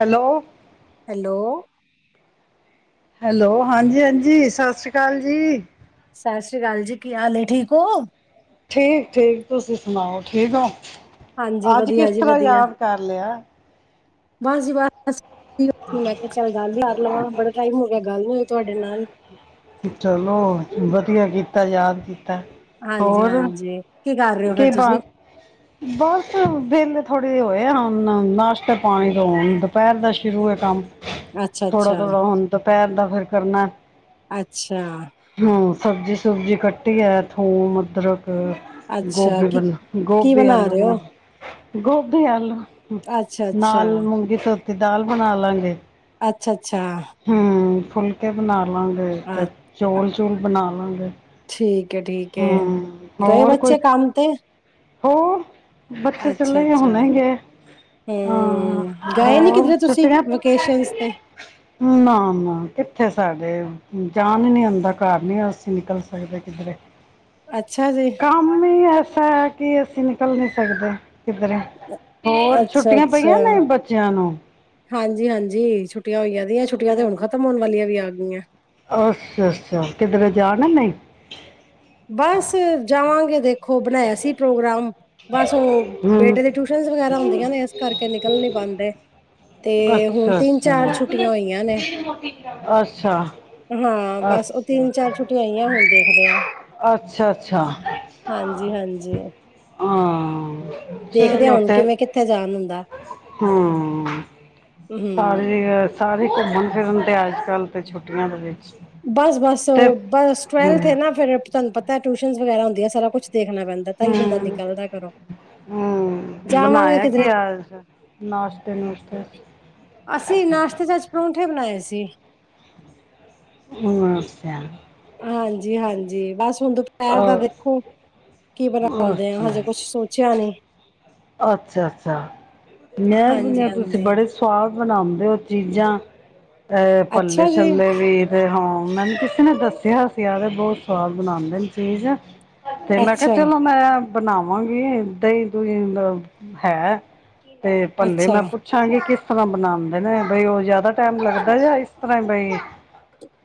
Hello. Hello. Hello ਹਾਂਜੀ -ਹਾਂਜੀ, ਸਤਿ ਸ੍ਰੀ ਅਕਾਲ ਜੀ। ਸਤਿ ਸ਼੍ਰੀ ਅਕਾਲ ਜੀ, ਕੀ ਹਾਲ ਹੈ ਠੀਕ ਹੋ? ਠੀਕ -ਠੀਕ, ਤੁਸੀਂ ਸੁਣਾਓ? ਠੀਕ ਹੋ? ਹਾਂਜੀ ਅੱਜ ਕਿਸ ਵਧੀਆ ਜੀ ਤਰ੍ਹਾਂ ਵਧੀਆ, ਯਾਦ ਕਰ ਲਿਆ? ਬਸ ਜੀ ਬਸ। ਮੈਂ ਕਿਹਾ, ਚੱਲ ਗੱਲ ਕਰ ਲਾ ਬੜਾ ਟਾਈਮ ਹੋ ਗਿਆ ਗੱਲ ਨ੍ਹੀ ਤੁਹਾਡੇ ਨਾਲ । ਤੁਹਾਡੇ ਨਾਲ। ਚਲੋ ਵਧੀਆ ਕੀਤਾ ਯਾਦ ਕੀਤਾ। ਹਾਂਜੀ- ਹਾਂਜੀ। ਕੀ ਕਰ ਰਹੇ ਹੋ ਫੇਰ ਕਿ ਬ ਤੁਸੀਂ? ਬਸ ਵਿਹਲੇ। ਹੁਣੀ ਹੋਏ ਹਨ ਨਾਸ਼ਤੇ ਪਾਣੀ ਤੋਂ, ਹੁਣ ਦੁਪਹਿਰ ਦਾ ਸ਼ੁਰੂ ਹੈ ਕੰਮ? ਅੱਛਾ ਥੋੜਾ- ਅੱਛਾ, ਥੋੜਾ, ਹੁਣ ਦੁਪਹਿਰ ਦਾ। ਘਰ ਕਰਨਾ ਅੱਛਾ ਹੂੰ ਸਬਜ਼ੀ- ਸੁਬਜ਼ੀ ਕੱਟੀ ਐ ਥੂਮ, ਅਦਰਕ ਅੱਛਾ, ਗੋਭੀ ਕੀ ਬ ਕੀ ਗੋਭੀ ਆਲੂ ਰਹੇ ਬਣਾ ਹੋ? ਗੋਭੀ ਆਲੂ। ਅੱਛਾ ਅੱਛਾ, ਨਾਲ ਮੂੰਗੀ ਸਾ ਦੀ ਦਾਲ ਬਣਾ ਲਾਂਗੇ। ਅੱਛਾ -ਅੱਛਾ। ਹੂੰ ਫੁਲਕੇ ਬਣਾਣਾ। ਲਾਂਗੇ ਅ ਤੇ ਚੋਲ -ਚੂਲ ਬਣਾ ਲਾਂਗੇ ਠੀਕ ਹੈ ਹਮ ਹੋਰ ਕੋਈ ਅਤੇ- ਹੋ। ਬੱਚੇ ਚਲੇੇ ਗਏ ਹੁਣੇ ਹੀ ਗਏ ਹਾਂ, ਹੂੰ, ਗਏ ਨੀ ਹੋਰ ਕਿਧਰੇ ਤੁਸੀਂ? ਛੁੱਟੀਆਂ ਵਕੇਸ਼ਨਸ ਤੇ, ਨਾ -ਨਾ, ਕਿੱਥੇ। ਸਾਡੇ ਜਾਣ ਹੀ ਨੀ ਆਉਂਦਾ ਘਰ ਨੀ ਅਸੀਂ ਨਿਕਲ । ਅੱਛਾ ਜੀ। ਐਸਾ ਹੈ ਕਿ ਅਸੀਂ ਨਿਕਲ ਨਹੀ ਸਕਦੇ। ਕਿਧਰ ਹੋਰ ਅੱਛਾ ਛੁੱਟੀਆਂ ਪਈਆਂ ਨੇ ਬੱਚਿਆਂ ਨੂੰ? ਹਾਂਜੀ ਹਾਂਜੀ ਛੁੱ ਛੁੱਟੀਆਂ ਹੋਈਆ ਦੀਆਂ ਛੁੱਟੀਆਂ ਤੇ ਹੁਣ ਖਤਮ ਹੋਣ ਵਾਲੀਆਂ ਵੀ ਆ [inaudible] ਅੱਛਾ-ਅੱਛਾ ਕਿਧਰੇ ਜਾਣਾ ਨਹੀਂ? ਬਸ ਜਾਵਾਂਗੇ ਦੇਖੋ। ਉਹ ਬਣਾਇਆ ਸੀ ਪ੍ਰੋਗਰਾਮ। ਬਸ ਉਹ ਹਮ ਬੇਟੇ ਦੇ ਟਿਊਸ਼ਨ ਵਗੈਰਾ ਹੁੰਦੀਆਂ ਨੇ ਇਸ ਕਰਕੇ ਨਿਕਲ ਨੀ ਪਾਂਦੇ। ਤੇ ਹੁਣ ਅੱਛਾ ਤਿੰਨ ਚਾਰ ਛੁੱਟੀਆਂ ਹੋਈਆਂ ਨੇ, ਅੱਛਾ ਅੱਛਾ ਹਾਂ ਬਸ ਉਹ ਅੱਛਾ ਤਿੰਨ ਚਾਰ ਛੁੱਟੀਆਂ ਹੋਈਆਂ, ਹੁਣ ਦੇਖਦੇ ਆ। ਅੱਛਾ-ਅੱਛਾ ਹਾਂਜੀ-ਹਾਂਜੀ ਹਾਂ ਦੇਖਦੇ ਆ ਚਲੋ ਹੁਣ ਤੇ ਕਿਵੇਂ ਕਿੱਥੇ ਜਾਣ ਹੁੰਦਾ ਹਮ। [unintelligible] ਹੂੰ ਘੁੰਮਣ ਫਿਰਨ ਤੇ ਅੱਜ ਕੱਲ੍ਹ ਤਾਂ ਛੁੱਟੀਆਂ ਦੇ ਦਿਨ ਬਸ-ਬਸ-ਬਸ ਟਵੇਲਥ ਹਮ ਏ ਨਾ ਫਿਰ ਤੁਹਾਨੂੰ ਪਤਾ ਟਿਊਸ਼ਨ ਵਗੈਰਾ ਹੁੰਦੀਆਂ। ਸਾਰਾ ਕੁਛ। ਦੇਖਣਾ ਪੈਂਦਾ ਤਾਂ ਹੀ ਬੰਦਾ ਹਮ-ਹਮ ਨਿਕਲਦਾ ਘਰੋਂ ਜਾਵਾਂਗੇ ਬਣਾਇਆ ਕਿਧਰੇ ਕੀ ਅੱਜ ਨਾਸ਼ਤੇ ਨੁਸ਼ਤੇ ਵਿੱਚ। ਅਸੀਂ ਨਾਸ਼ਤੇ ਚ ਅੱਜ ਪ੍ਰੋਂ ਪਰੌਂਠੇ ਬਣਾਏ ਸੀ। ਮਸਿਆ [inaudible] ਹਾਂਜੀ ਹਾਂਜੀ ਬਸ ਹੁਣ ਦੁਪਹਿਰ ਅ ਦਾ ਦੇਖੋ ਕੀ ਬਣਾਉਂਦੇ ਆ ਅੱਛਾ ਹਜੇ ਕੁਝ ਸੋਚਿਆ ਨਹੀ। ਅੱਛਾ ਅੱਛਾ। ਮੈਂ ਸੁਣਿਆ ਤੁਸੀਂ ਹਾਂਜੀ-ਹਾਂਜੀ ਬੜੇ ਸਵਾਦ ਬਣਾਉਂਦੇ ਹੋ ਚੀਜ਼ਾਂ ਤੇ ਪੱਲੇ ਅੱਛਾ ਜੀ। ਛੱਲੇ ਵੀ ਤੇ ਹਾਂ ਮੈਨੂੰ ਕਿਸੇ ਨੇ ਦੱਸਿਆ ਸੀ। ਬਹੁਤ ਸਵਾਦ ਬਣਉਦੇ ਨੇ ਚੀਜ਼ ਤੇ ਮੈਂ ਕਿਹਾ ਚਲੋ ਅੱਛਾ-ਅੱਛਾ ਮੈਂ। ਬਣਾਵਾਂਗੇ ਦਹੀਂ ਦੁਹੀ। ਹੈ ਤੇ ਭੱਲੇ ਮੈਂ ਪੁੱਛਾਂਗੀ ਕਿਸ? ਤਾਂ ਬਣਾਉਦੇ ਨੇ ਬਈ ਉਹ ਜਿਆਦਾ ਟਾਈਮ ਲੱਗਦਾ ਜਾ ਇਸ ਤਰ੍ਹਾਂ ਬਈ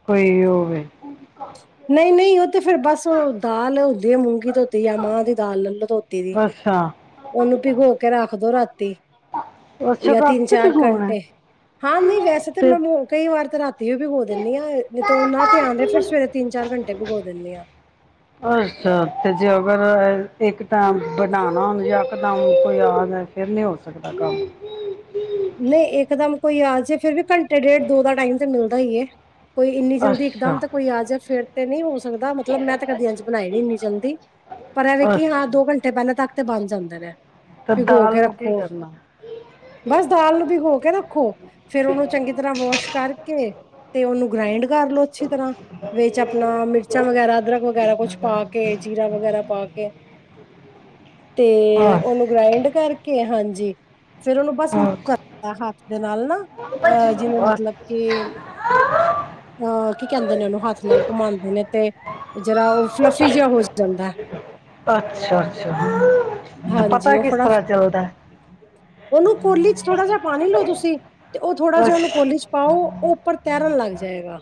ਕੋਈ ਹੋਵੇ । ਨਹੀਂ ਨਹੀਂ ਉਹ ਤੇ ਫੇਰ ਬਸ ਉਹ ਦਾਲ ਹੁੰਦੀ ਹੈ ਮੂੰਗੀ। ਧੋਤੀ ਜਾਂ ਮਾਂਹ ਦੀ ਦਾਲ ਲੈ ਲਓ ਧੋਤੀ ਦੀ ਅੱਛਾ ਉਹਨੂੰ ਭਿਗੋ ਕੇ ਰੱਖ ਦਿਓ ਰਾਤੀ। ਤੇ ਅੱਛਾ ਜਾਂ ਤਿੰਨ ਰਾਤੀ ਚਾਰ ਭਿਗੋਣਾ ਘੰਟੇ ਹੈ ਹਾਂ ਨਹੀਂ ਵੈਸੇ ਤਾਂ ਤੇ ਮੈਂ ਕਈ ਵਾਰ ਤਾਂ ਰਾ ਦੀਓ ਵੀ ਬੋਲ ਦਿੰਦੀ ਆ ਨ ਤਾਂ ਆਉਂਦੇ ਫਿਰ ਸਵੇਰੇ ਤਿੰਨ ਚਾਰ ਘੰਟੇ ਭਿਗੋ ਦਿੰਦੀ ਹਾਂ। ਅੱਛਾ ਤੇਜੀੀ ਅਗਸਤ ਅ ਇੱਕ ਤਾਂ ਬਣਾਉਣਾ ਹਣ ਜ ਦ ਕੋਈ ਆਦਾ ਫਿਰ ਨਹੀਂ ਹੋ ਸਕਦਾ ਕੰਮ ਨਹੀਂ ਇੱਕਦਮ ਕੋਈ ਆਜ ਫੇਿਰ ਵੀ ਘੰਟੇ ਡੇਢ ਦੋ ਦਾ ਟਾਈਮ ਤੇ ਮਿਲਦਾ ਹੀ ਏ ਕੋਈ ਇੰਨੀ ਜਲਦੀ ਇੱਕਦਮ ਅੱਛਾ ਤਾਂ ਕੋਈ ਆ ਜਾ ਫੇਿਰ ਤੇ ਨਹੀਂ ਸਕਦਾ ਮਤਲਬ ਮੈਂ ਤਾਂ ਕਦੀ ਇੰਜ ਬਣਾਈਣੀ ਨ ਨਹੀਂ ਚਾਹੁੰਦੀ ਪਰ ਐਵੇਂ ਕਿ ਹਾਂ ਅੱਛਾ ਦੋ ਘੰਟੇ ਪਹਿਲਾਂ ਤੱਕ ਤੇ ਬਣ ਜਾਂਦਾ ਰਿਹਾ ਤੇ ਭਿਗੋ ਦਾਲ ਕੇ ਨੂੰ ਕੀ ਰੱਖੋ ਕਰਨਾ ਬਸ ਦਾਲ ਨੂੰ ਭਿਗੋ ਕੇ ਰੱਖੋ ਫੇਰ ਉਹਨੂੰ ਚੰਗੀ ਤਰ੍ਹਾਂ ਵਾਸ਼ ਕਰਕੇ ਤੇ ਉਹਨੂੰ ਗ੍ਰਾਇੰਡ ਕਰਲੋ ਅੱਛੀ ਤਰ੍ਹਾਂ ਵਿੱਚ ਆਪਣਾ ਮਿਰਚਾਂ ਵਗੈਰਾ ਅਦਰਕ ਵਗੈਰਾ ਕੁਛ ਪਾ ਕੇ ਜੀਰਾ ਵਗੈਰਾ ਪਾ ਕੇ ਤੇ ਬਸ ਉਹਨੂੰ ਗ੍ਰਾਇੰਡ ਕਰਕੇ ਹਾਂਜੀ ਫੇਿਰ ਉਹਨੂੰ ਬਸ ਕਰਦਾ ਹੱਥ ਦੇ ਨਾਲ ਨਾ ਅਹ ਜਿਵੇਂ ਮਤਲਬ ਅ- ਕੇ ਅਹ ਿੰਦੇ ਨੇ ਉਹਨੂੰ ਹੱਥ ਨਾਲ ਘੁਮਾਉਂਦੇ ਨੇ ਤੇ ਜਿਰਾ ਉਹ ਫਲਫੀ ਜਿਹਾ ਹੋ ਜਾਂਦਾ ਅੱਛਾ ਅੱਛਾ ਤੇ ਹਾਂਜੀ ਪਤਾ ਉਹ ਕਿਸ ਫੜਾ ਤਰ੍ਹਾਂ ਚਲਦਾ ਉਹਨੂੰ ਕੋਲੀ ਚ ਥੋੜਾ ਜਿਹਾ ਪਾਣੀ ਲਓ ਤੁਸੀਂ ਤੇ ਉਹ ਥੋੜਾ ਜਿਹਾ ਉਹਨੂੰ ਅੱਛ- ਕੋਹਲੀ ਚ ਪਾਓ ਉਹ ਉੱਪਰ ਤੇਰਨ ਲੱਗ ਜਾਏਗਾ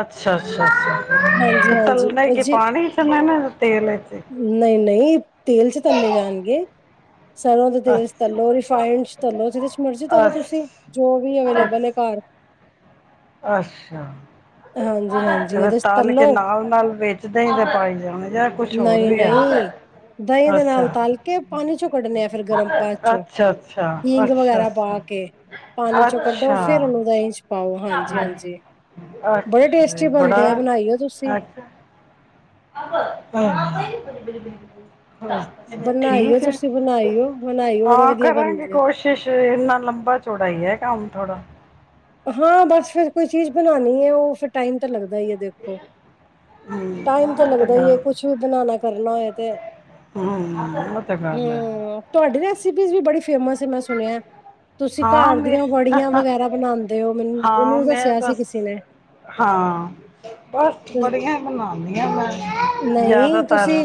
ਅੱਛਾ ਅੱਛਾ ਅੱਛਾ ਹਾਂਜੀ ਤੇ ਹਾਂਜੀ ਤਲਨ ਉਹ ਕੀ ਜੀ ਪਾਣੀ ਚ ਮੈਂ ਤੇਲ ਚ ਨਹੀਂ ਨਹੀਂ ਸਰ੍ਹੋਂ ਦਾ ਤੇਲ ਅੱਛ- ਤਲੋ ਰਿਫਾਇੰਡ ਤਲੋ ਜਿਹਦੇ ਚਲੋ ਅੱਛ- ਤੁਸੀਂ ਜੋ ਵੀ ਅਵੇਲੇਬਲ ਹੈ ਅੱਛ- ਘ ਅੱਛਾ ਹਾਂਜੀ ਹਾਂਜੀ ਤੇ ਫਿਰ ਉਹਦੇ ਚ ਤਲ ਕੇ ਤਲੋ ਨਾਲ ਨਾਲ ਵੇਚਦੇ ਹੀ ਤੇ ਪਾਈ ਜਾਣੇ ਜਾਂ ਕੁਛ ਹੋਰ ਨਹੀਂ ਵੀ ਹੈ ਨਹੀਂ ਦਹੀਂ ਦੇ ਨਾਲ ਅੱਛਾ ਤਲ ਕੇ ਪਾਣੀ ਚੋਂ ਕੱਢਣੇ ਆ ਫਿਰ ਗਰਮ ਬਾਅਦ ਚੋਂ ਅੱਛਾ ਅੱਛਾ ਹਿੰਗ ਅੱਛਾ ਵਗੈਰਾ ਅੱਛ ਪਾ ਕੇ ਪਾਣੀ ਚੋੋਂ ਕੱਢੋ ਫੇਿਰ ਅੱਛਾ ਉਹਨੂੰ ਦਾ ਇੰਚ ਪਾਓ ਹਾਂਜੀ ਹਾਂਜੀ ਬੜੇ ਅੱਛਾ ਟੇਸਟੀ ਬੜਾ ਬਣਦੇ ਆ ਬਣਾਈਓ ਤੁਸੀਂ [inaudible] ਅ ਬਣਾਈਓ ਠੀਕ ਹੈ ਤੁਸੀਂ ਬਣਾਈਓ ਬਣਾਈਓ ਬੜੇ ਹਾਂ ਵਧੀਆ ਕਰਾਂਗੇ ਬਣਦੇ ਆ ਕੋਸ਼ਿਸ਼ ਇੰਨਾ ਲੰਬਾ ਚੌੜਾ ਈ ਕੰਮ ਥੋੜ੍ਹਾ ਹਾਂ ਬਸ ਫੇਰ ਕੋਈ ਚੀਜ਼ ਬਣਾਉਣੀ ਹੈ ਉਹ ਫਿਰ ਟਾਈਮ ਤੇ ਲੱਗ ਦਾ ਹੀ ਦੇਖੋ ਹੂੰ ਟਾਈਮ ਤਾਂ ਉਹ ਲੱਗਦਾ ਹੀ ਹੈ ਗੱਲ ਕੁਛ ਵੀ ਬਣਾ ਲਿਆ ਕਰ ਨਾ ਤੇ ਹੂੰ ਉਹ ਤੇ ਗੱਲ ਐ ਹਮ [unintelligible] ਵੀ ਬੜੀ ਫੇਮਸ ਹੈ ਮੈਂ ਸੁਣਿਆ ਤੁਸੀਂ ਹਾਂ ਘਰ ਮੈਂ ਦੀਆਂ ਵੜੀਆਂ ਵਗੈਰਾ ਬਣਾਓ ਹਾਂ ਮੈਂ ਬਸ ਹਾਂ ਬਸ ਤੁਸ- ਬੜੀਆਂ ਬਣਾਨੀ ਆ ਮੈਂ ਨਹੀਂ ਜ਼ਿਆਦਾਤਰ ਤੁਸੀਂ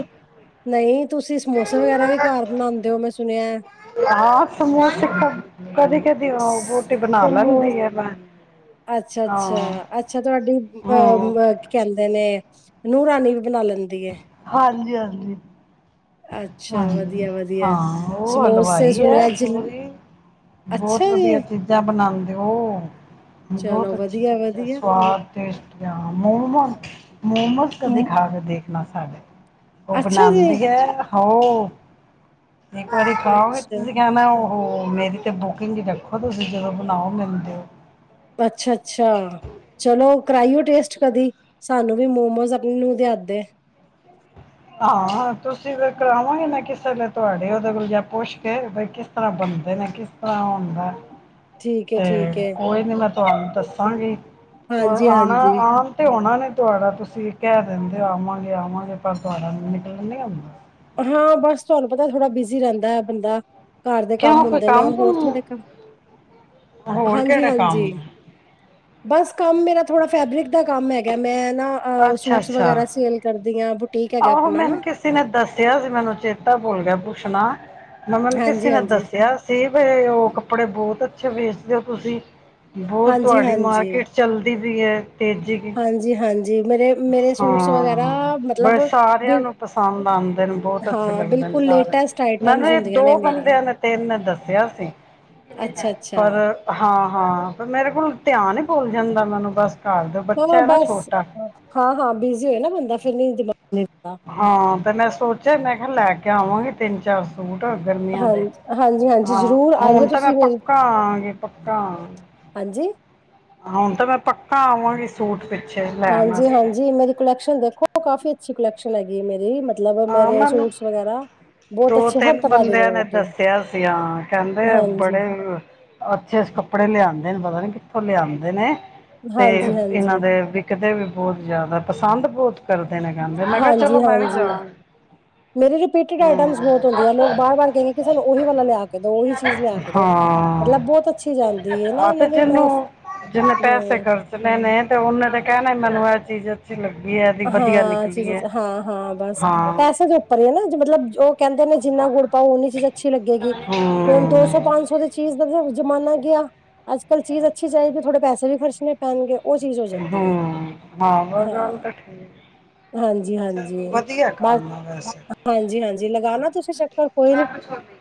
ਨਹੀਂ ਤੁਸੀਂ ਸਮੋਸੇ ਵਗੈਰਾ ਵੀ ਘਰ ਬਣਾਉਂਦੇ ਹੋ ਮੈਂ ਸੁਣਿਆ ਹਾਂ ਸਮੋਸੇ [unintelligible] ਬਣਾ ਸਮੋ ਲੈਂਦੀ ਆ ਮੈਂ ਅੱਛਾ ਅੱਛਾ ਹਾਂ ਅੱਛਾ ਤੁਹਾਡੀ ਹੂੰ ਅਹ ਕੀ ਕਹਿੰਦੇ ਨੇ ਨੂਹ ਰਾਣੀ ਵੀ ਬਣਾ ਲੈਂਦੀ ਹੈ ਹਾਂਜੀ ਹਾਂਜੀ ਹਾਂ ਅੱਛਾ ਵਧੀਆ ਵਧੀਆ ਹਾਂ ਉਹ ਸਮੋਸੇ ਹਲਵਾਈ ਹੈ ਸੁਣਿਆ ਜ ਪੂਰੀ ਅੱਛਾ ਬਹੁਤ ਵਧੀਆ ਜੀ ਚੀਜ਼ਾਂ ਬਣਾ ਦੋ ਬਹੁਤ ਚਲੋ ਅੱਛੀ ਵਧੀਆ ਚੀਜ਼ਾਂ ਵਧੀਆ ਸਵਾਦ ਟੇਸਟੀਆਂ ਮੋਮੋਸ ਕਦੇ ਮ ਖਾ ਕੇ ਦੇਖਣਾ ਸਾਡੇ ਉਹ ਅੱਛਾ ਜੀ ਬਣਾਦੀ ਐ ਹੌ ਇੱਕ ਵਾਰੀ ਖਾਓਗੇ ਅੱਛਾ ਤੁਸੀਂ ਕਹਿਣਾ ਓ ਹੋ ਮੇਰੀ ਤੇ ਬੁਕਿੰਗ ਹੀ ਰੱਖੋ ਤੁਸੀਂ ਜਦੋਂ ਬਣਾਓ ਮਿਲਦੇ ੳ ਅੱਛਾ ਅੱਛਾ ਚਲੋ ਕਰਾਈਓ ਟੇਸਟ ਕਦੀ ਸਾਨੂੰ ਵੀ ਮੋਮੋਜ਼ ਆਪਣੀ ਨੂਹ ਦੇ ਹੱਥ ਦੇ ਹਾਂ ਤੁਸੀਂ ਫਿਰ ਕਰਾਵਾਂਗੇ ਨਾ ਕਿਸੇ ਤੁਹਾਡੇ ਉਹਦੇ ਕੋਲ ਜਾ ਪੁੱਛ ਕੇ ਬਈ ਕਿਸ ਤਰ੍ਹਾਂ ਬਣਦੇ ਨੇ ਕਿਸ ਤਰ੍ਹਾਂ ਹੁੰਦਾ ਠੀਕ ਏ ਤੇ ਠੀਕ ਏ ਕੋਈ ਨੀ ਮੈ ਤੁਹਾਨੂੰ ਦੱਸਾਂਗੀ ' [unintelligible] ' ਹਾਂਜੀ ਆਉਣਾ ਹਾਂਜੀ ਆਉਣ ਤੇ ਆਉਣਾ ਨੀ ਤੁਹਾਡਾ ਤੁਸੀਂ ਕਹਿ ਦਿੰਦੇ ਆਵਾਂਗੇ ਆਵਾਂਗੇ ਪਰ [unintelligible] ਹਾਂ ਬਸ ਤੁਹਾਨੂੰ ਪਤਾ ਥੋੜਾ ਬਿਜ਼ੀ ਰਹਿੰਦਾ ਬੰਦਾ। ਘਰ ਦੇ ਕਿਉਂ ਕੰਮ ਕੋਈ ਹੁੰਦੇ ਨੇ ਹੋਰ ਕੁਮ ਥੋੜੇ ਕਮ ਹੋਰ ਹਾਂਜੀ ਕਿਹੜਾ ਕੰਮ ਹਾਂਜੀ ਹੈ? ਬਸ ਕੰਮ ਮੇਰਾ ਥੋੜਾ ਫੈਬਰਿਕ ਦਾ ਕੰਮ ਹੈਗਾ ਮੈਂ ਨਾ ਅ ਅੱਛਾ ਸੂਟਸ ਅੱਛਾ ਵਗੈਰਾ ਸੇਲ ਕਰਦੇ ਦੀਆਂ ਆਹੋ ਮੈਨੂੰ ਕਿਸੇ ਨੇ ਦੱਸਿਆ ਸੀ। ਮੈਨੂੰ ਚੇਤਾ ਭੁੱਲ ਗਿਆ ਪੁੱਸ਼ਣਾ ਮਮਨ ਕਿਸੇ ਹਾਂਜੀ ਨੇ ਹਾਂਜੀ ਦੱਸਿਆ ਸੀ ਬੀ ਉ ਕੱਪੜੇ ਬਹੁਤ ਅੱਛਾ ਵੇਚਦੇ ਹੋ ਤੁਸੀਂ ਬਹੁਤ ਹਾਂਜੀ ਤੁਹਾਡੀ ਹਾਂਜੀ ਮਾਰਕੀਟ ਚਲਦੀ। [inaudible] ਹਾਂਜੀ ਹਾਂਜੀ ਮੇਰੇ ਮੇਰੇ ਸੂਟਸ ਵਗੈਰਾ ਹਾਂ ਮਤਲਬ ਬ ਸਾਰਿਆਂ ਬਿਲ ਨੂੰ ਪਸੰਦ ਆਉਂਦੇ ਨੇ ਬਹੁਤ ਅੱਛੇ ਹਾਂ ਲੱਗਦੇ ਨੇ ਬਿਲਕੁਲ ਸਾਰਿਆ ਲੇਟੈਸਟ ਨੂੰ ਆਈਟਮਸ ਮਖਾ ਹੁੰਦੀਆਂ ਨੇ ਦੋ ਮੇਰੀਆਂ ਬੰਦਿਆਂ ਨੇ ਤਿੰਨ ਨੇ ਦੱਸਿਆ ਸੀ ਅੱਛਾ ਅੱਛਾ ਪਰ ਹਾਂ ਹਾਂ ਪਰ ਮੇਰੇ ਕੋਲੋ ਧਿਆਨ ਈ ਭੁੱਲ ਜਾਂਦਾ ਮੈਨੂੰ ਬਸ। ਸਾਲ ਦਾ ਦੋ ਬੱਚਾ ਹਾਂ ਐ ਨਾ ਬਸ ਛੋਟਾ ਹਾਂ ਹਾਂ ਬਿਜ਼ੀ ਹੋਏ ਨਾ ਬੰਦਾ ਫਿਰ ਨੀ ਹੁੰਦੀ ਲੋੜ ਹਾਂ ਤੇ ਮੈਂ ਸੋਚਿਆ ਮੈਂ ਕਿਹਾ ਲੈ ਕੇ ਕੇ ਆਵਾਂਗੇ ਤਿੰਨ ਚਾਰ ਸੂਟ ਗਰਮੀਆਂ ਦੇ ਹਾਂਜੀ ਹਾਂਜੀ ਹਾਂਜੀ ਹਾਂ ਜ਼ਰੂਰ ਹੁਣ ਆਈਓ ਤਾਂ ਮੈਂ ਤੁਸੀਂ ਮੇਰੀ ਪੱਕਾ ਆਆਂ ਗੀ ਪੱਕਾ ਆ ਹਾਂਜੀ ਹੁਣ ਤਾਂ ਮੈਂ ਪੱਕ ਆਵਾਂਗੇ ਸੂਟ ਵਿ ਹਾਂਜੀ ਹਾਂਜੀ ਮੇਰੀ ਕੁਲੈਕਸ਼ਨ ਦੇਖੋ ਕਾਫੀ ਅੱਛੀ ਕੁਲੈਕਸ਼ਨ ' [unintelligible] ' ਲਗੀ ਮੇਰੀ ਮ ਹਾਂ ਮੈਨੂੰ ਬਹੁਤ ਦੋ ਅੱਛੇ ਹਰ ਤਿੰਨ ਤਰ੍ਹਾਂ ਦੀ ਬੰਦਿਆਂ ਨੇ ਵਰਾਇਟੀ ਦੱਸਿਆ ਸੀ ਹਾਂ ਕਹਿੰਦੇ ਹਾਂਜੀ ਬੜੇ ਅੱਛੇ ਅ ਕੱਪੜੇ ਲਿਆਂਦੇ। ਨੂੰ ਪਤ ਕਿੱਥੋਂ ਲਿਆਂਦੇ ਨੀ ਤੇ ਹਾਂਜੀ ਹਾਂਜੀ ਇਹਨਾਂ ਦੇ ਵੀ ਕਿਤੇ ਵੀ। ਬਹੁਤ ਜ਼ਿਆਦਾ ਪਸੰਦ ਬਹੁਤ ਕਰਦਾ। ਦੇਨ ਗਦੇ ਮੈਂ ਕਿਹਾ ਚਲੋ ਹਾਂਜੀ ਮੈਂ ਵੀ ਜਾ ਹਾਂਜੀ ਮੇਰੀ ਰਿਪੀਟਡ ਆਈਟਮਸ ਬਹੁਤ ਹੁੰਦੀਆਂ ਲੋਕ ਬਾਰ ਵਾਰ ਕਹਿੰਦੇ ਕਿ ਸਾਨੂੰ ਉਹੀ ਵਾਲਾ ਲਿਆ ਕੇ ਦੋ ਉਹੀ ਚੀਜ਼ ਲਿਆ ਕੇ ਦੋ ਹਾਂ ਮਤਲਬ ਬਹੁਤ ਅੱਛੀ ਜਾਂਦੀ ਹੈ ਨਾ ਆ ਇਹਨਾਂ ਤੇ ਨੂੰ ਅ ਜਿਹਨੂੰ ਜਿਹਨੇ ਪੈਸੇ ਹਮ ਮਨੂੰ ਚੀਜ਼ ਅੱਛੀੱਗਦੀ ਹਾਂ ਚੀਜ਼ ਹਾਂ ਹਾਂ ਬਸ। ਹਾਂ ਪੈਸੇ ਦੇ ਉੱਪਰ ਹੀ ਹੈ ਨਾ ਮਤਲਬ ਉਹ ਕ ਜਿੰਨਾ ਗੁੜ ਪਾਓ ਉਓਨੀ ਚੀਜ਼ ਅੱਛੀ ਲੱਗੇਗੀ ਹੁਣ ਦੋ ਸੌ ਹੂੰ ਪੰਜ ਸੌ ਦੀ ਚੀਜ਼। ਜ਼ਮਾਨਾ ਗਿਆ ਅੱਜ ਕੱਲ ਚੀਜ਼ ਅੱਛੀ ਚਾਹੀਦੀ ਹੈ ਥੋੜੇ ਪੈਸੇ ਵੀ ਖਰਚਣੇ ਪੈਣਗੇ। ਉਹ ਚੀਜ਼ ਹੋ ਹੂ ਜਾਂਦੀ ਹੈ ਹਾਂ, ਗੱਲ ਤਾਂ ਠੀਕ। ਹਾਂਜੀ ਹਾਂਜੀ ਚਲੋ ਵਧੀਆ ਬਸ ਕੰਮ ਆ ਵੈਸੇ ਹਾਂਜੀ ਹਾਂਜੀ ਲਗਾਣਾ ਤੁਸੀਂ ਚੱਕਰ ਕੋਈ ਨਾ ਨੀ, ਕੁਛ ਹੋਵੇ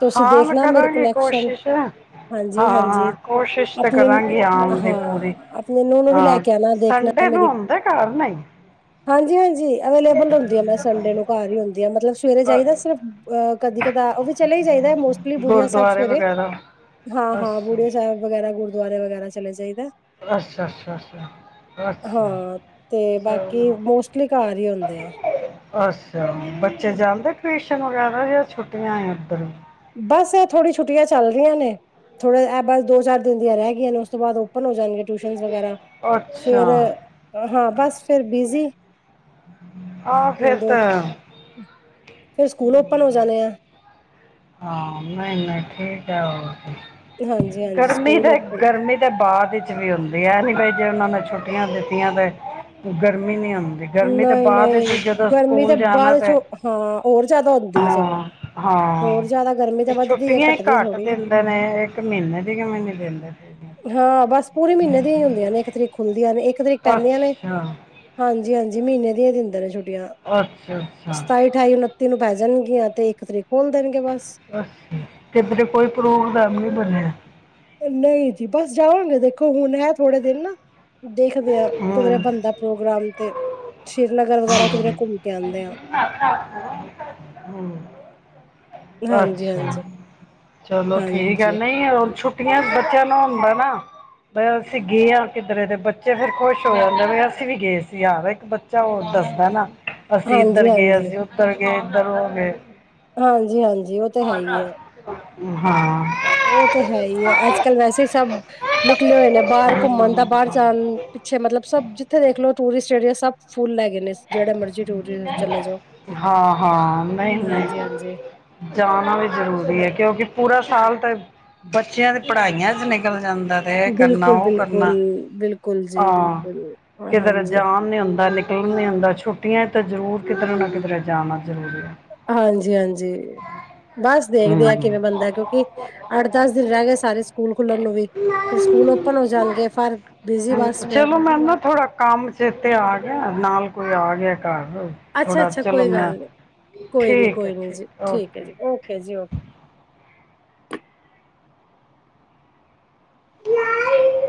ਤੁਸੀਂ ਹਾਂ ਮੈਂ ਦੇਖਣਾ ਮੇਰੇ ਕਰਾਂਗੀ ਕਲੈਕਸ਼ਨ ਕੋਸ਼ਿਸ਼ ਹਾਂ ਹਾਂਜੀ ਹਾਂਜੀ ਹਾਂ ਕੋਸ਼ਿਸ਼ ਤਾਂ ਆਪਣੇ ਕਰਾਂਗੀ ਆਉਣ ਦੀ ਹਾਂ ਪੂਰੀ ਆਪਣੇ ਨੂੰਹ ਨੂੰ ਵੀ ਲੈ ਹਾਂ ਕੇ ਆਉਣਾ ਦੇਖਣਾ ਸੰਡੇ ਨੂੰ ਮੇਰੀ ਆਉਂਦੇ ਘਰ ਨਹੀਂ ਹਾਂਜੀ ਹਾਂਜੀ। ਅਵੇਲੇਬਲ ਹੁੰਦੀ ਆ ਮੈਂ ਸੰਡੇ ਨੂੰ ਘਰ ਹੀ ਹੁੰਦੀ ਹਾਂ ਮਤਲਬ ਸਵੇਰੇ ਅ, ਜਾਈਦਾ ਸਿਰਫ ਅਹ ਕਦੀ ਕਦਾ ਉਹ ਵੀ ਚਲੇ ਚਾਹੀਦਾ ਮੋਸਟਲੀ ਬੁੜੀਆਂ ਸਾਹਿਬ ਗੁਰਦੁਆਰੇ ਸਵੇਰੇ ਵਗੈਰਾ ਹਾਂ ਹਾਂ ਅੱਛਾ ਬੁੜੀਆਂ ਸਾਹਿਬ ਵਗੈਰਾ ਗੁਰ ਦੁਆਰੇ ਵਗੈਰਾ ਚਲੇ ਜਾਈ ਅੱਛਾ ਅੱਛਾ ਅੱਛਾ ਅੱਛਾ। ਹਾਂ ਤੇ ਬਾਕੀ ਚਲੋ ਮੋਸਟਲੀ ਘਰ ਹੀ ਹੁੰਦੇ ਆ। ਅੱਛਾ ਬੱਚੇ ਜਾਂਦੇ ਟਿਊਸ਼ਨ ਵਗੈਰਾ ਜਾਂ ਛੁੱਟੀਆਂ ਏ ਉੱਧਰ ਬਸ ਇਹ ਥੋੜੀ ਛੁੱਟੀਆਂ ਚੱਲ ਰਹੀਆਂ ਨੇ, ਥੋੜੇ ਇਹ ਬਸ ਦੋ ਚਾਰ ਦਿਨ ਦੀਆਂ ਰਹਿ ਗਈਆਂ ਨੇ ਉਸ ਤੋਂ ਬਾਅਦ ਹੁਣ ਹੋ ਜਾਣਗਿਆਂ ਟਿਊਸ਼ਨ ਵਗੈਰਾ ਅੱਛਾ ਫਿਰ ਹਾਂ ਬਸ ਫਿਰ ਬਿਜੀ ਹਹ ਫੇਰ ਤੇ ਫੇਰ ਸਕੂਲ ਔਪਨ ਹੋ ਜਾਣੇ ਐ। ਹਾਂ ਨਹੀਂ ਨਹੀਂ ਠੀਕ ਹੈ ਹੋਰ। ਹਾਂਜੀ-ਹਾਂਜੀ ਗਰਮੀ ਸਕੂਲ ਤੇ ਓਪਨ ਗਰਮੀ ਦੇ ਬਾਅਦ ਵਿੱਚ ਵੀ ਹੁੰਦੀ। ਤੇ ਐ ਨੀ ਬਾਈ ਜੇ ਉਹਨਾਂ ਨੇ ਛੁੱਟੀਆਂ ਦਿੱਤੀਆਂ, ਤੇ ਉਹ ਗਰਮੀ ਨਹੀਂ ਹੁੰਦੀ। ਗਰਮੀ ਤਾਂ ਨਹੀਂ ਬਾਅਦ ਵਿੱਚ ਨਹੀਂ ਵੀ ਜਦੋਂ ਗਰਮੀ ਤਾਂ ਸਕੂਲ ਜਾਣਾ ਬਾਅਦ ਚ ਤੇ ਹਾਂ ਹੋਰ ਜਿਆਦਾ ਆਉਂਦੀ ਹੈ ਸਗੋਂ, ਹਾਂ ਹੋਰ ਹਾਂ ਜ਼ਿਆਦਾ ਗਰਮੀ ਤਾਂ ਇਹ ਵੱਧਦੀ ਹੈ ਛੁੱਟੀਆਂ ਹੀ ਘੱਟਦੀ ਘੱਟ ਥੋੜ੍ਹੀ ਆ। ਦਿੰਦੇ ਨੇ ਇੱਕ ਮਹੀਨੇ ਦੀ ਕਿਵੇਂ ਨਹੀਂ ਦਿੰਦੇ ਫਿਰ ਹਾਂ ਬਸ ਪੂਰੇ ਮਹੀਨੇ ਦੀਆਂ ਹੀ ਹੁੰਦੀਆਂ ਨੇ ਇੱਕ ਤਰੀਕ ਖੁੱਲਦੀਆਂ ਨੇ ਇੱਕ ਤਰੀਕ ਪਹਿੰਦੀਆਂ ਨੇ, ਅੱਛਾ ਹਾਂਜੀ। ਹਾਂਜੀ, ਹਾਂਜੀ ਮਹੀਨੇ ਦੀਆਂ ਦਿੰਦੇ ਨੇ ਛੁੱਟੀਆਂ, ਅੱਛਾ ਅੱਛਾ ਸਤਾਈ, ਅਠਾਈ, ਉਨੱਤੀ ਨੂੰ ਪੈ ਜਾਣਗੇ। ਕਿਹਾ ਤੇ ਇੱਕ ਤਰੀਕ ਖੋਲ ਦੇਣਗੇ ਬਸ, ਅ ਤੇਰੇ ਕੋਈ ਪ੍ਰੋਗਰਾਮ ਨੀ ਬਣਿਆ, ਨਹੀਂ ਜੀ ਬਸ ਜਾਵਾਂਗੇ ਦੇਖੋ ਹੁਣ ਹੈ ਥੋੜੇ ਦਿਨ ਨਾ ਦੇਖਦੇ ਹਾਂ, ਕਿਧਰੇ ਹੂੰ ਬਣਦਾ ਪ੍ਰੋਗਰਾਮ ਤੇ ਸ੍ਰੀਨਗਰ ਵਗੈਰਾ ਕਿਧਰੇ ਹੂੰ ਘੁੰਮ ਕੇ ਆਉਂਦੇ ਆ ਹੂੰ, ਹਾਂਜੀ ਅੱਛਾ, ਹਾਂਜੀ ਚਲੋ ਠੀਕ ਹੈ ਹਾਂਜੀ ਨਹੀਂ ਹੋਰ ਛੁੱ ਛੁੱਟੀਆਂ ਬੱਚਿਆਂ ਨੂੰ ਹੁੰਦਾ ਨਾ, ਬ ਅਸੀਂ ਗਏ ਹਾਂ ਕਿੱਧਰੇ ਦੇ ਬੱਚੇ ਫੇਰ ਖੁਸ਼ ਹੋ ਜਾਂਦੇ ਅਸੀਂ ਵੀ ਗਏ ਸੀ ਯਾਰ ਇੱਕ ਬੱਚਾ ਹੋ ਦੱਸਦਾ ਨਾ, ਅਸੀਂ ਇੱਧਰ ਹਾਂਜੀ ਗਿਆ ਹਾਂਜੀ ਸੀ, ਉੱਧਰ ਏਧਰਲਾ ਗਏ, ਹਾਂਜੀ, ਹਾਂਜੀ, ਉਹ ਤਾਂ ਹੈ ਹੀ ਹੈ। ਹਾਂ ਉਹ ਤੇ ਹੈ ਹੀ ਹੈ ਅੱਜ ਕੱਲ ਵੈਸੇ ਹੀ ਸਭ, ਨਿਕਲੇ ਹੋਏ ਨੇ ਬਾਹਰ ਘੁੰਮਣ ਦਾ ਬਾਹਰ ਜਾਣ, ਪਿੱਛੇ ਮਤਲਬ ਸਬ ਜਿੱਥੇ ਦੇਖਲੋ ਟੂਰਿਸਟ ਰੀਸ ਸਭ ਫੁੱਲ ਲੇਗੇ ਨੇ, ਜਿਹੜੇ ਮਰਜ਼ੀ ਟੂਰਿਸਟ ਚਲੇ ਜਾਓ ਹਾਂ, ਹਾਂ, ਨਹੀ, ਨਹੀ, ਹਾਂਜੀ ਹਾਂਜੀ ਜਾਣਾ ਵੀ ਜ਼ਰੂਰੀ ਹੈ। ਕਿਉਂਕਿ ਪੂਰਾ ਸਾਲ ਤਾਂ, ਬੱਚਿਆਂ ਦੀ ਪੜ੍ਹਾਈਆਂ ਚ ਨਿਕਲ ਜਾਂਦਾ ਇਹ ਕਰਨਾ, ਬਿਲਕੁਲ ਉਹ ਬਿਲਕੁਲ ਕਰਨਾ, ਬਿਲਕੁਲ ਜੀ ਹਾਂ, ਬਿਲਕੁਲ ਕਿਧਰ ਹਾਂਜੀ ਜਾਣ ਨੀ ਹੁੰਦਾ, ਆਉਣ ਨੀ ਹੁੰਦਾ ਛੁ ਛੁੱਟੀਆਂ ਤਾਂ ਜ਼ਰੂਰ ਕਿਧਰੇ ਨਾ ਕਿਧਰੇ ਜਾਣਾ, ਜ਼ਰੂਰੀ ਹੈ ਹਾਂਜੀ-ਹਾਂਜੀ, ਬਸ ਦੇਖਦੇ ਆ ਕਿਵੇਂ ਹੂੰ, ਬਣਦਾ ਕਿਉਂਕਿ, ਅੱਠ ਦਸ ਦਿਨ ਰਹਿ ਗਏ ਸਾਰੇ ਸਕੂਲ ਖੁਲਣ ਨੂੰ ਵੀ, ਫਿਰ ਸਕੂਲ ਔਪਨ ਹੋ ਜਾਣਗੇ ਫੇਰ ਬਿਜੀ ਬਸ ਫਿਰ ਚਲੋ ਮੈਂ ਨਾ ਥੋੜਾ ਕੰਮ ਚੇਤੇ ਆ ਗਿਆ ਨਾਲ ਕੋਈ ਆ ਗਿਆ ਘਰ ਥੋੜਾ ਅੱਛਾ-ਅੱਛਾ, ਚਲੋ ਕੋਈ ਮੈਂ ਗੱਲ ਨਹੀਂ, ਕੋਈ ਨੀ ਠੀਕ ਹੈ ਕੋਈ ਨੀ ਜੀ ਠੀਕ ਹੈ ਓਕੇ ਜੀ ਓਕੇ ਜੀ ਓਕੇ। [unintelligible]